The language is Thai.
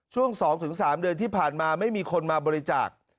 ช่วงสองถึงสามเดือนที่ผ่านมาไม่มีคนนที่มาบริจาค